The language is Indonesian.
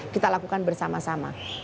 kita lakukan bersama sama